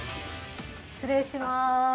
失礼します。